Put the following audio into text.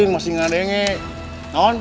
masih gak denger